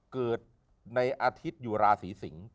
เกิดในอาทิตย์อยู่ราศีสิงศ์